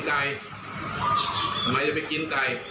ปิดเสียง